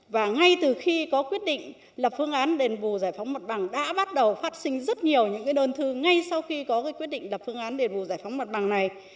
và ngay từ khi có quyết định lập phương án đền bù giải phóng mặt bằng đã bắt đầu phát sinh rất nhiều những đơn thư ngay sau khi có quyết định lập phương án đền bù giải phóng mặt bằng này